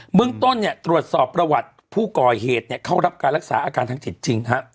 เมืองต้นตรวจสอบประวัติผู้ก่อเหตุเข้ารับการรักษาอาการทางจิตจริง